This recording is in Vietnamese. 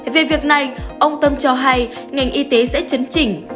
về việc này ông tâm cho hay ngành y tế sẽ chấn chỉnh